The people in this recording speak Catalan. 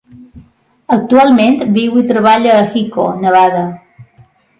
Actualment, viu i treballa a Hiko, Nevada.